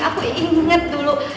aku ingat dulu